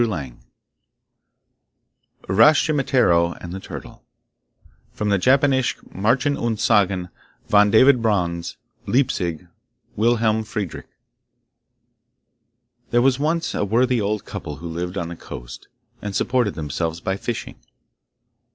Uraschimataro and the Turtle From the Japanische Marchen und Sagen, von David Brauns (Leipzig: Wilhelm Friedrich). There was once a worthy old couple who lived on the coast, and supported themselves by fishing.